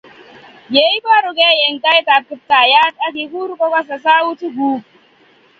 Yeiborukei eng tait ab Kiptayat akikur kokase sautik kuk